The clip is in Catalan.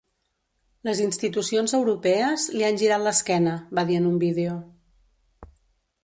Les institucions europees li han girat l’esquena, va dir en un vídeo.